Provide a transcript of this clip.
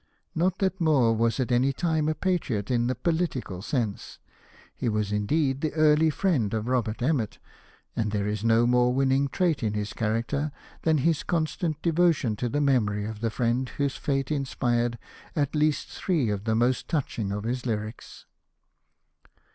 Not that Moore was at any time a patriot in the political sense. He was indeed the early friend of Robert Emmet, and there is no more winning trait in his character than his constant devotion to the memory of the friend whose fate inspired at least three of the most touching of his lyrics.